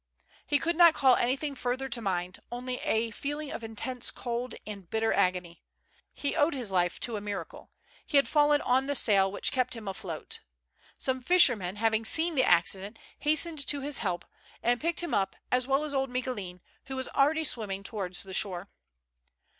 He could not call anything further to mind ; only a feel ing of intense cold and bitter agony. He owed his life to a miracle ; he had fallen on the sail, which kept him afloat. Some fishermen, having seen the accident, has tened to his help, and picked him up, as well as old Micoulin, who was already swimming towards the shore.